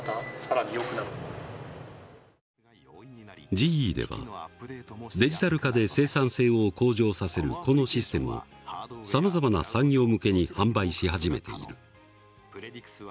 ＧＥではデジタル化で生産性を向上させるこのシステムをさまざまな産業向けに販売し始めている。